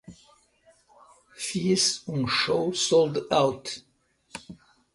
fiz um show soldout